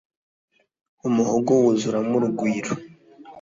Umuhogo wuzuramo urugwiro